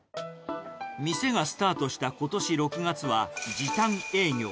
店がスタートしたことし６月は、時短営業。